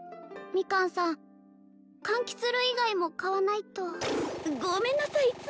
ミカンさん柑橘類以外も買わないとごめんなさい